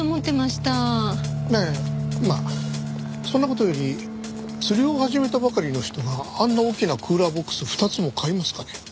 そんな事より釣りを始めたばかりの人があんな大きなクーラーボックス２つも買いますかね？